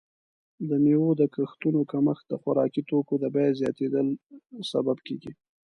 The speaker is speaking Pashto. د میوو د کښتونو کمښت د خوراکي توکو د بیې زیاتیدل سبب کیږي.